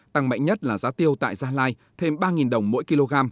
tăng mạnh nhất là giá tiêu tại gia lai thêm ba đồng mỗi kg